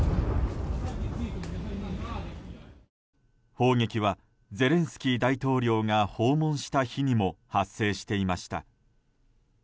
砲撃は、ゼレンスキー大統領が訪問した日にも発生していました。